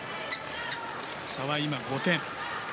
差は今５点。